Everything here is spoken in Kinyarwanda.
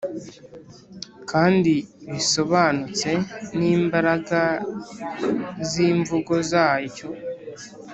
kandi bisobanutse n'imbaraga z'imvugo yacyo.